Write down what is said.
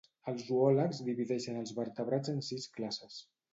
Els zoòlegs divideixen els vertebrats en sis classes.